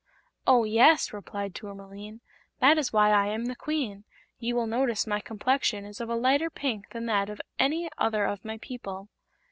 "Oh, yes," replied Tourmaline. "That is why I am the Queen. You will notice my complexion is of a lighter pink than that of any other of my people."